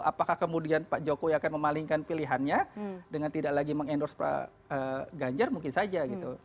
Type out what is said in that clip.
apakah kemudian pak jokowi akan memalingkan pilihannya dengan tidak lagi mengendorse pak ganjar mungkin saja gitu